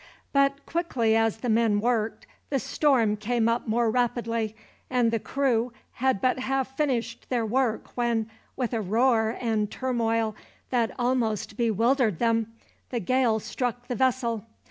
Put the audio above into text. But quickly as the men worked, the storm came up more rapidly, and the crew had but half finished their work when, with a roar and turmoil that almost bewildered them, the gale struck the vessel.